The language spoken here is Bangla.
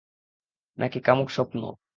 নাকি কামুক স্বপ্ন?